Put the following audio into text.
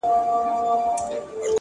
نیت عمل ته اخلاق ورکوي’